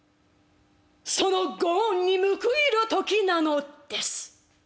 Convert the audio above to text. そのご恩に報いる時なのです」。